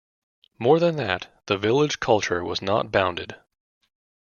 More than that, the village culture was not bounded.